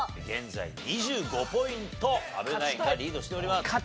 現在２５ポイント阿部ナインがリードしております。